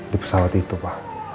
di pesawat itu pak